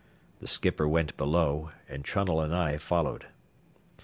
The skipper went below, and Trunnell and I followed.